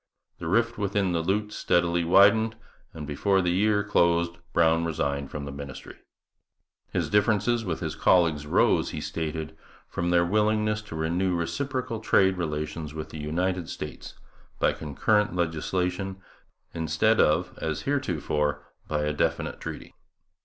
The rift within the lute steadily widened, and before the year closed Brown resigned from the ministry. His difference with his colleagues arose, he stated, from their willingness to renew reciprocal trade relations with the United States by concurrent legislation instead of, as heretofore, by a definite treaty.